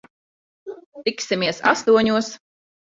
Tiksimies astoņos.